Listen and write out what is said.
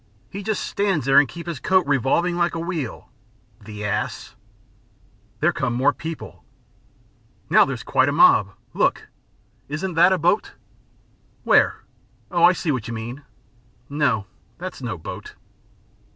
He just stands there and keeps his coat revolving like a wheel. The ass!" "There come more people." "Now there's quite a mob. Look! Isn't that a boat?" "Where? Oh, I see where you mean. No, that's no boat."